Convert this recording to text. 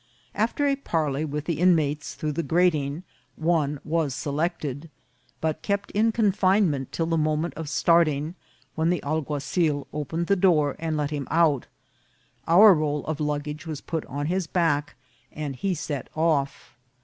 After a parley with the in mates through the grating, one was selected, but kept in confinement till the moment of starting, when the al guazil opened the door and let him out, our roll of luggage was put on his back, and he set off.